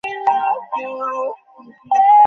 আমার হৃদয়ে প্রতিশোধের বহ্নিশিখা দাউ দাউ করে জ্বলছে।